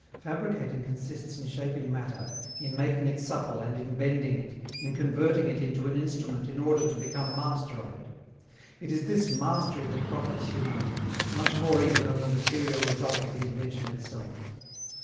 Fabricating consists in shaping matter, in making it supple and in bending it, in converting it into an instrument in order to become master of it. It is this mastery that profits humanity, much more even than the material result of the invention itself.